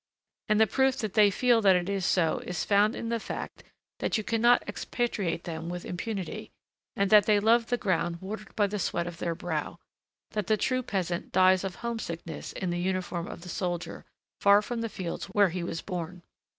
And the proof that they feel that it is so is found in the fact that you cannot expatriate them with impunity, and that they love the ground watered by the sweat of their brow, that the true peasant dies of homesickness in the uniform of the soldier, far from the fields where he was born.